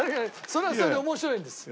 それはそれで面白いんです。